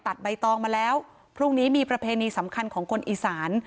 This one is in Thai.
ใบตองมาแล้วพรุ่งนี้มีประเพณีสำคัญของคนอีสาน